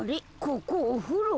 ここおふろ？